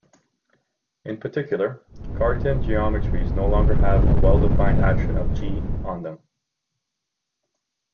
In particular, Cartan geometries no longer have a well-defined action of "G" on them.